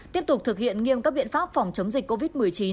tiếp tục thực hiện nghiêm các biện pháp phòng chống dịch covid một mươi chín